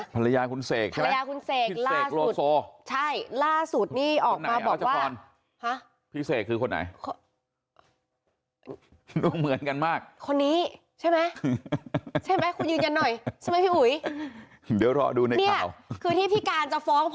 ภรรยาคุณเศกใช่ไหมพี่เศกโรลโซ